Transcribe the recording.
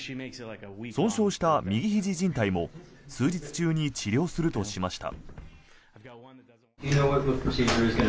損傷した右ひじじん帯も数日中に治療するとしました。